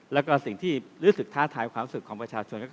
แล้วก็สิ่งที่รู้สึกท้าทายความรู้สึกของประชาชน